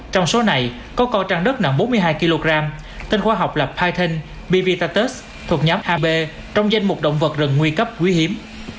trong số này có con trang đất nặng bốn mươi hai kg tên khoa học là python bivitatus thuộc nhóm hb trong danh một động vật rần nguy cấp quý hiếm